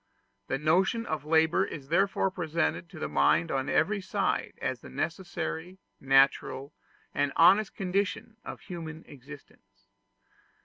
The notion of labor is therefore presented to the mind on every side as the necessary, natural, and honest condition of human existence.